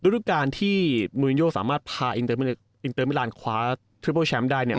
รูปการณ์ที่มูลินโยสามารถพาอินเตอร์มิลานคว้าทริปัลแชมป์ได้เนี่ย